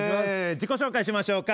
自己紹介しましょうか。